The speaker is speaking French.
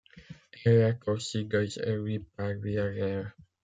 Elle est aussi desservie par Via Rail.